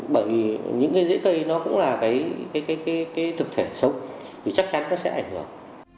bởi vì những cái dễ cây nó cũng là cái thực thể sống thì chắc chắn nó sẽ ảnh hưởng